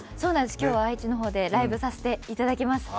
今日、愛知の方でライブさせていただきます。